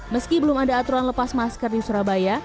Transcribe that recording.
meski belum ada aturan lepas masker di surabaya